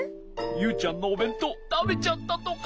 ユウちゃんのおべんとうたべちゃったとか？